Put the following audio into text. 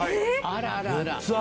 あららら。